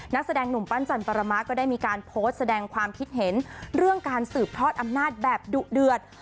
นักแสดงหนุ่มปั้นจันปรมะก็ได้มีการโพสต์แสดงความคิดเห็นเรื่องการสืบทอดอำนาจแบบดุเดือด